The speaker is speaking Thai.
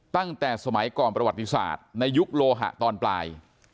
ตั้งแต่สมัยก่อนประวัติศาสตร์ในยุคโลหะตอนปลาย